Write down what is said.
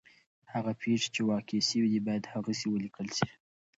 هغه پېښې چي واقع سوي دي باید هغسي ولیکل سي.